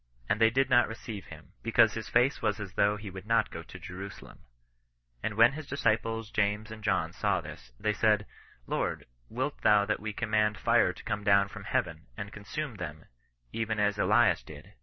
And they did not receive him, because his face was as though he would fe to Jerusalem. And when his disciples James and ohn saw this, they said,' Lord, wilt thou that we com mand fire to come down from Heaven, and consume lAiem, even as Elias did